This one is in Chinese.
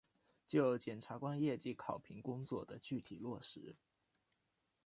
就检察官业绩考评工作的具体落实